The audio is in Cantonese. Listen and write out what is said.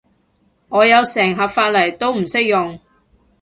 我有成盒髮泥都唔識用